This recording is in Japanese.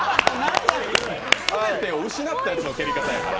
全てを失ったやつの蹴り方やから。